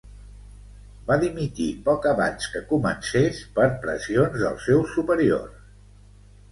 Va dimitir poc abans que comencés per pressions dels seus superiors.